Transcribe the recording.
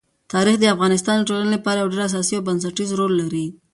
تاریخ د افغانستان د ټولنې لپاره یو ډېر اساسي او بنسټيز رول لري.